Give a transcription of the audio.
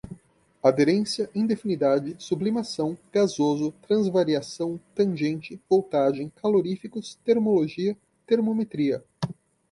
aderência, indefinidade, sublimação, gasoso, transvariação, tangente, voltagem, caloríficos, termologia, termometria